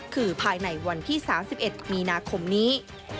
คือภายในวันที่๓๑มีนาคมนี้